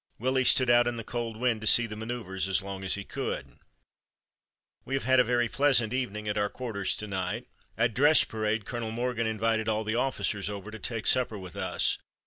Willie stood out in the cold wind to see the maneuvers as long as he could. "We have had a very pleasant evening at our quarters to night. At dress parade Colonel Morgan invited all the officers over to take supper with us.